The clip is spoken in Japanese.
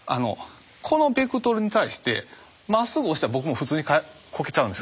このベクトルに対してまっすぐ押したら僕も普通にこけちゃうんですよ。